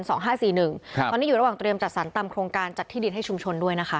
ตอนนี้อยู่ระหว่างเตรียมจัดสรรตามโครงการจัดที่ดินให้ชุมชนด้วยนะคะ